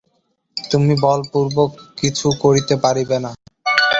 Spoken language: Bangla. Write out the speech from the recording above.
তুমি বলপূর্বক কিছু করিতে পারিবে না।